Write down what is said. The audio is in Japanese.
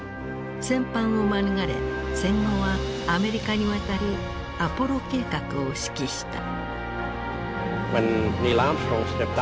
戦犯を免れ戦後はアメリカに渡りアポロ計画を指揮した。